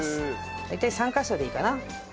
大体３カ所でいいかな。